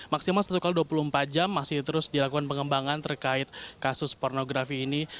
maksimal satu x dua puluh empat jam masih terus dilakukan pengembangan terkait kasus pornografi ini